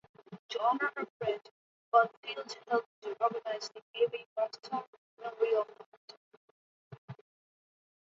To honour her friend, Bondfield helped to organise the Mary Macarthur Memorial Fund.